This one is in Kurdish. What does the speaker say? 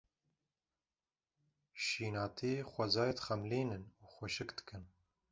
Şînatî xwezayê dixemilînin û xweşik dikin.